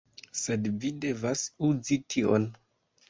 Sed vi devas uzi tion